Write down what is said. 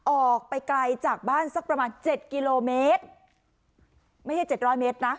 ออกไปไกลจากบ้านสักประมาณเจ็ดกิโลเมตรไม่ใช่เจ็ดร้อยเมตรนะ